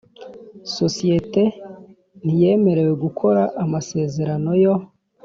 Sosiyete ntiyemerewe gukora amasezerano yo